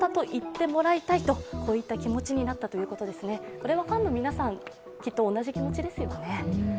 これはファンの皆さん、きっと同じ気持ちですよね。